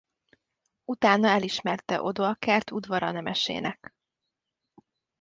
Utána elismerte Odoakert udvara nemesének.